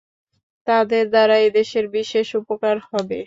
তাদের দ্বারা এদেশের বিশেষ উপকার হবে।